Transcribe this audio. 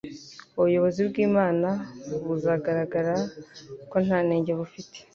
Ubuyobozi bw'Imana buzagaragara ko nta nenge bufite